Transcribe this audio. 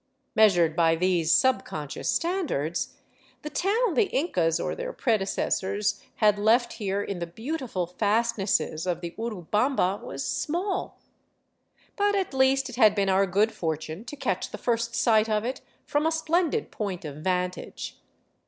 Measured by these subconscious standards, the town the Incas or their predecessors had left here in the beautiful fastnesses of the Urubamba was small. But at least it had been our good fortune to catch the first sight of it from a splendid point of vantage.